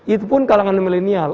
itu pun kalangan milenial